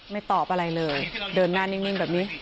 ตอบอะไรเลยเดินหน้านิ่งแบบนี้